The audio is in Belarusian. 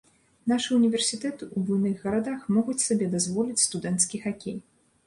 Нашы ўніверсітэты ў буйных гарадах могуць сабе дазволіць студэнцкі хакей.